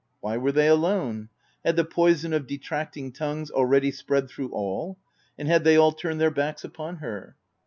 Why were they alone ? Had the poison of detracting tongues already spread through all ; and had they ail turned their backs upon her?